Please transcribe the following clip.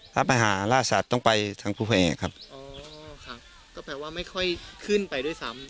พระมหาล่าสัตว์ต้องไปทางภูแพรครับอ๋อครับก็แปลว่าไม่ค่อยขึ้นไปด้วยซ้ำ